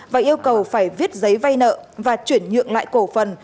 và yêu cầu phải viết giấy vay nợ và chuyển nhượng lại cổ phần